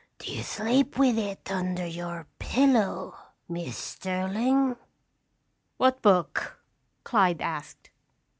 "Do you sleep with it under your pillow, Miss Sterling?" "What book?" Clyde asked.